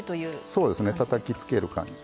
そうですねたたきつける感じ。